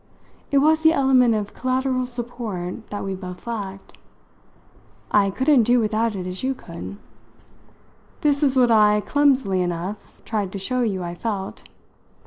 It was the element of collateral support that we both lacked. I couldn't do without it as you could. This was what I, clumsily enough, tried to show you I felt.